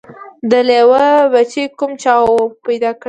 د لېوه بچی کوم چا وو پیدا کړی